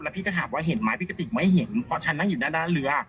พี่ก็ถามว่าเห็นไหมพี่กะติกไม่เห็นเพราะฉันนั่งอยู่ด้านหน้าเรือ